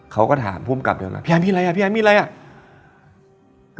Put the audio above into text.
เขาก็ถามผู้กับด้วยพี่อาร์ดมีอะไรอ่ะพี่อาร์ดมีอะไรอ่ะ